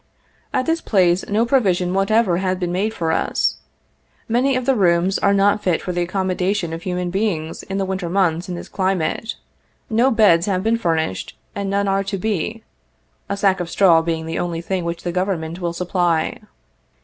At this place no provision whatever had been made for us. Many of the rooms are not fit for the accommodation of human beings in the winter months in this climate. No beds have been furnished, and none are to be — a sack of straw being the only thing which the Government will supply.